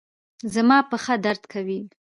زما پښه درد کوي